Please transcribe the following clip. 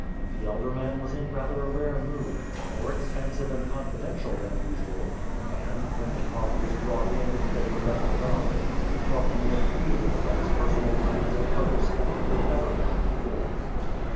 The elder man was in rather a rare mood, more expansive and confidential than usual; and, when the coffee was brought in and they were left alone, he talked more freely of his personal plans and hopes than he had ever done before.